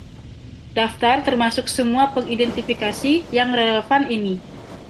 Daftar termasuk semua pengidentifikasi yang relevan ini.